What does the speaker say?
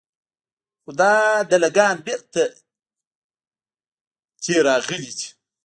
خو دا دله ګان بېرته تې راغلي دي.